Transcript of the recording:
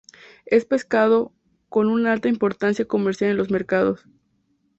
Es pescado con una alta importancia comercial en los mercados.